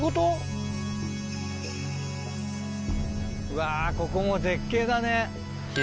うわここも絶景だね。